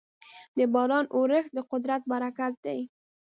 د باران اورښت د قدرت برکت دی.